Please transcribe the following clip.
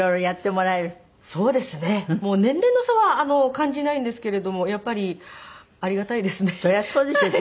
もう年齢の差は感じないんですけれどもやっぱりありがたいですね。